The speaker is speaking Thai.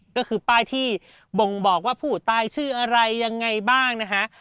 ก็คือป้ายที่บ่งบอกว่าผู้ตายชื่ออะไรยังไงบ้างนะคะ